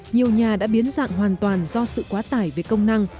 nhiều nhà đã biến dạng hoàn toàn do sự quá tải về công năng